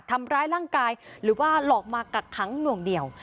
ทำร้ายร่างกายหรือว่าหลอกมากักขังหน่วงเหนียว